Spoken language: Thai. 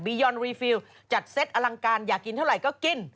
ยอนรีฟิลจัดเซตอลังการอยากกินเท่าไหร่ก็กิน